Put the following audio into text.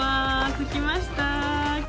着きました。